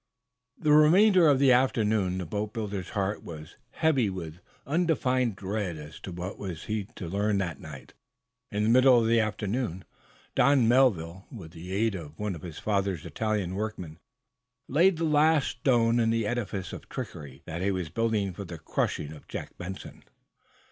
The remainder of the afternoon the boatbuilder's heart was, somehow, heavy with undefined dread as to what he was to learn that night. In the middle of the afternoon, Don Melville, with the aid of one of his father's Italian workmen, laid the last stone in the edifice of trickery that he was building for the crushing of Jack Benson.